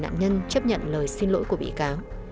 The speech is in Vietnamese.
nạn nhân chấp nhận lời xin lỗi của bị cáo